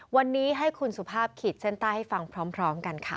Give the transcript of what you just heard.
วันนี้ให้คุณสุภาพขีดเส้นใต้ให้ฟังพร้อมกันค่ะ